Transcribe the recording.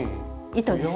糸です。